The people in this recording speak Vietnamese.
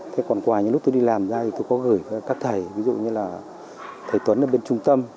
thế còn quà những lúc tôi đi làm ra thì tôi có gửi các thầy ví dụ như là thầy tuấn ở bên trung tâm